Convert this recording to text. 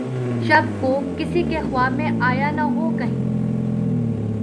شب کو‘ کسی کے خواب میں آیا نہ ہو‘ کہیں!